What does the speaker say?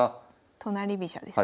都成飛車ですね。